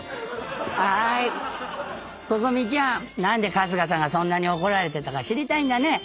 何で春日さんがそんなに怒られてたか知りたいんだね。